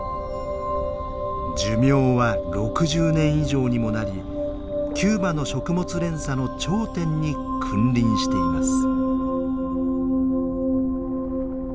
寿命は６０年以上にもなりキューバの食物連鎖の頂点に君臨しています。